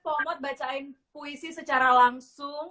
selamat bacain puisi secara langsung